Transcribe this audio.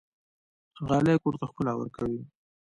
غالۍ کور ته ښکلا ورکوي.